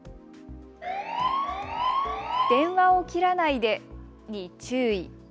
電話を切らないでに注意。